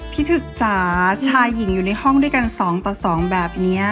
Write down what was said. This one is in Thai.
ถึกจ๋าชายหญิงอยู่ในห้องด้วยกัน๒ต่อ๒แบบนี้